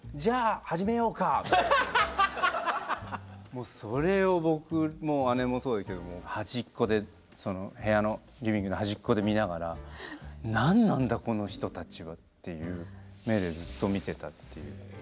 もうそれを僕も姉もそうですけどはじっこで部屋のリビングのはじっこで見ながら「何なんだこの人たちは」っていう目でずっと見てたっていう。